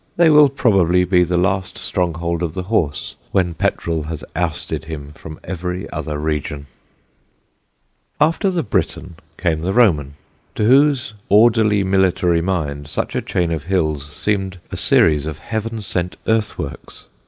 They will probably be the last stronghold of the horse when petrol has ousted him from every other region. [Sidenote: ROMAN AND SAXON] After the Briton came the Roman, to whose orderly military mind such a chain of hills seemed a series of heaven sent earthworks.